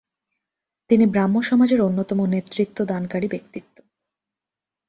তিনি ব্রাহ্ম সমাজের অন্যতম নেতৃত্বদানকারী ব্যক্তিত্ব।